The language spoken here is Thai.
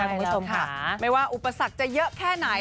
คุณผู้ชมค่ะไม่ว่าอุปสรรคจะเยอะแค่ไหน